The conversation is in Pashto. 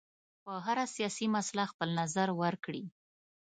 په هره سیاسي مسله خپل نظر ورکړي.